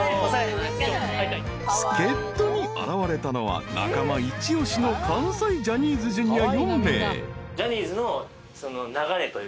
［助っ人に現れたのは中間一押しの関西ジャニーズＪｒ．４名］